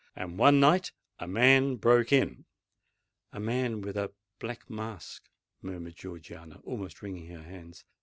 And one night—a man broke in——" "A man—with a black mask——" murmured Georgiana, almost wringing her hands.